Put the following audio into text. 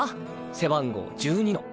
背番号１２の。